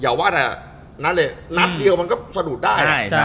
อย่าว่าแต่นัดเดียวมันก็สะดุดได้